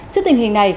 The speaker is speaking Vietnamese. trước tình hình này